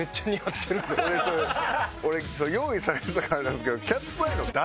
俺その用意されてたからなんですけど。